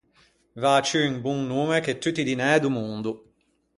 Vâ ciù un bon nomme che tutti i dinæ do mondo.